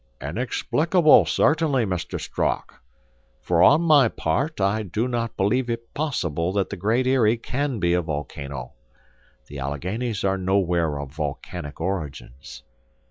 "Inexplicable, certainly, Mr. Strock. For on my part, I do not believe it possible that the Great Eyrie can be a volcano; the Alleghanies are nowhere of volcanic origins.